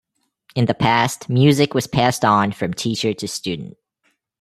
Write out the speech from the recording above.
In the past, music was passed on from teacher to student.